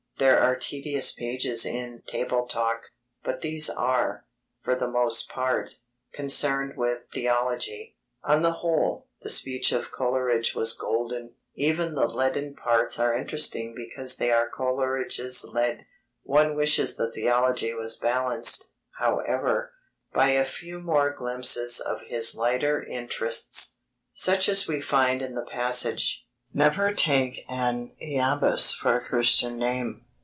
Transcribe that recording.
There are tedious pages in Table Talk, but these are, for the most part, concerned with theology. On the whole, the speech of Coleridge was golden. Even the leaden parts are interesting because they are Coleridge's lead. One wishes the theology was balanced, however, by a few more glimpses of his lighter interests, such as we find in the passage: "Never take an iambus for a Christian name.